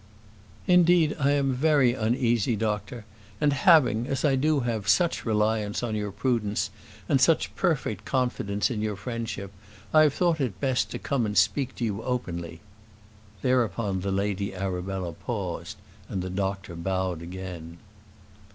"Indeed, I am very uneasy, doctor; and having, as I do have, such reliance on your prudence, and such perfect confidence in your friendship, I have thought it best to come and speak to you openly:" thereupon the Lady Arabella paused, and the doctor bowed again.